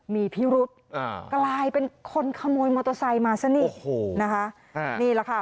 มีพิรุษอ่ากลายเป็นคนขโมยมอเตอร์ไซค์มาซะนี่โอ้โหนะคะนี่แหละค่ะ